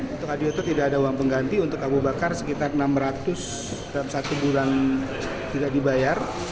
untuk adioto tidak ada uang pengganti untuk abu bakar sekitar enam ratus dalam satu bulan tidak dibayar